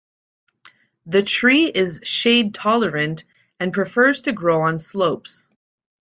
The tree is shade-tolerant and prefers to grow on slopes.